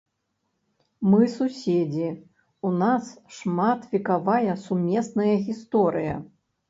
Мы суседзі, у нас шматвекавая сумесная гісторыя.